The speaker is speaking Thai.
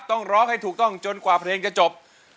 ต้องร้องให้ถูกต้องจนกว่าเพลงจะจบ